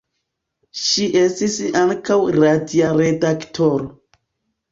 Ŝi estis ankaŭ radia redaktoro.